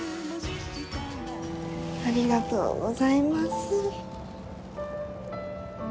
ありがとうございます。